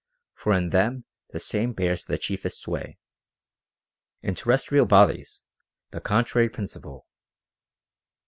For in them the Same bears the chiefest sway ; in terrestrial bodies, the contrary principle.